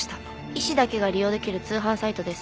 医師だけが利用出来る通販サイトです。